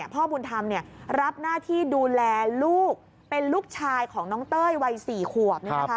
พ่อบุญธรรมรับหน้าที่ดูแลลูกเป็นลูกชายของน้องเต้ยวัย๔ขวบ